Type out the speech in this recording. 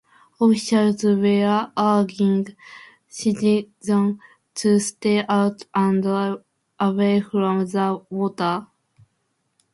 Officials were urging citizens to stay out and away from the water.